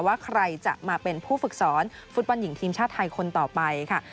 ว่าใครจะมาเป็นผู้ฝึกสอนฟุตบอลหญิงทีมชาติไทยคนต่อไปค่ะ